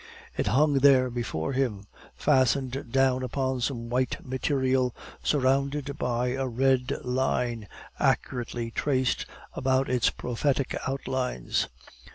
It hung there before him, fastened down upon some white material, surrounded by a red line accurately traced about its prophetic outlines.